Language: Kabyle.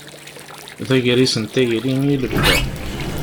D agris n tayri i lebda.